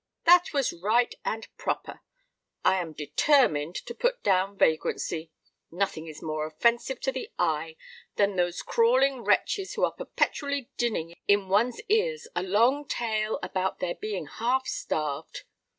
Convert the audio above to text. "That was right and proper. I am determined to put down vagrancy. Nothing is more offensive to the eye than those crawling wretches who are perpetually dinning in one's ears a long tale about their being half starved."